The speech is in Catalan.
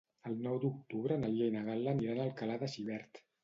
El nou d'octubre na Lia i na Gal·la aniran a Alcalà de Xivert.